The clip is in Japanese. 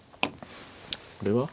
これは？